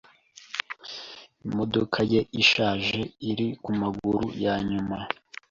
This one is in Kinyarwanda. Imodoka ye ishaje iri kumaguru yanyuma.